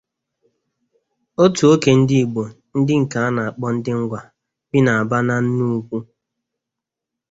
Otu oke ndi Igbo, ndi nke ana-kpo ndi "Ngwa" bi n'Aba na nnukwu.